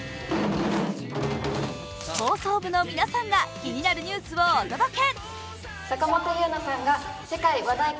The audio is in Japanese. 放送部の皆さんが気になるニュースをお届け。